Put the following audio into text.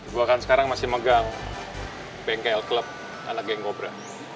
gue kan sekarang masih megang bengkel klub anak geng kobra